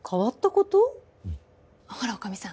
ほら女将さん